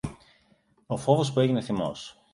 ο φόβος του έγινε θυμός.